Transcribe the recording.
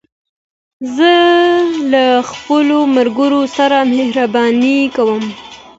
زه له خپلو ملګرو سره مهربانې کوم.